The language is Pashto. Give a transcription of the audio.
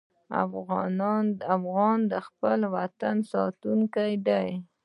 افغان د خپل وطن ساتونکی دی.